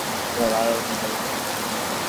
পিপড়ের পাখা উঠে মরিবার তরে!